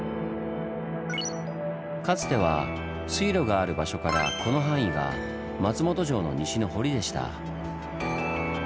かつては水路がある場所からこの範囲が松本城の西の堀でした。